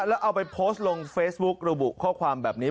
แล้วเอาไปโพสต์ลงเฟซบุ๊กระบุข้อความแบบนี้